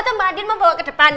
atau mbak andin mau bawa ke depan